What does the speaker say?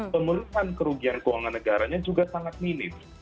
pemeluhan kerugian keuangan negaranya juga sangat minim